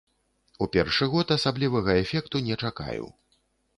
У першы год асаблівага эфекту не чакаю.